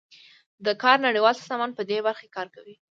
د کار نړیوال سازمان پدې برخه کې کار کوي